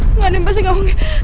tidak saya pasti gak mau